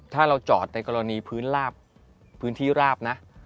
ถ้าเราจอดในกรณีพื้นที่ราบนะ